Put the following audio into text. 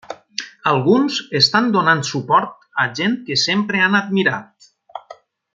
Alguns estan donant suport a gent que sempre han admirat.